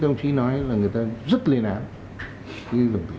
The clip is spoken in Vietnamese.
đồng chí nói là người ta rất liên án